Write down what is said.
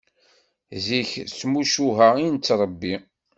Zik s tmucuha i nettrebbi.